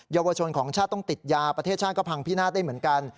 เยาวชนของชาติต้องติดยาประเทศชาติก็พังพินาศได้เหมือนกัน